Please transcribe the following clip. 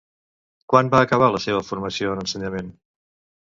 Quan va acabar la seva formació en ensenyament?